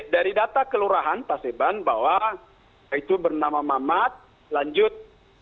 dari data kelurahan pak seban bahwa itu bernama mamat lanjut